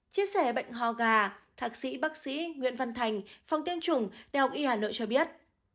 chia sẻ bệnh hò gà thạc sĩ bác sĩ nguyễn văn thành phòng tiêm chủng đh y hà nội cho biết